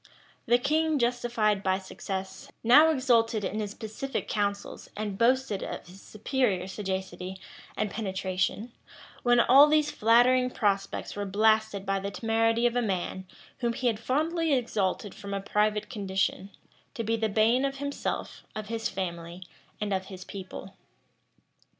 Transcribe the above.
[] The king, justified by success, now exulted in his pacific counsels, and boasted of his superior sagacity and penetration; when all these flattering prospects were blasted by the temerity of a man whom he had fondly exalted from a private condition, to be the bane of himself, of his family, and of his people.